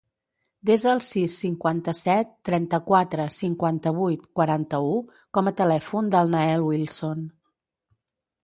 Desa el sis, cinquanta-set, trenta-quatre, cinquanta-vuit, quaranta-u com a telèfon del Nael Wilson.